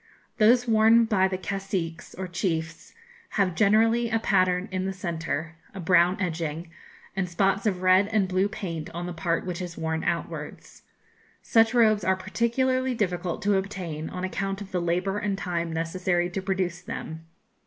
Those worn by the caciques, or chiefs, have generally a pattern in the centre, a brown edging, and spots of red and blue paint on the part which is worn outwards. Such robes are particularly difficult to obtain, on account of the labour and time necessary to produce them.